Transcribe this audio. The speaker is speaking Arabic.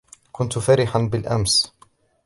كنت فرِحًا بالأمس.